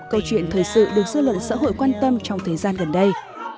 câu chuyện thời sự được xô lộn xã hội quan tâm trong thời gian gần đây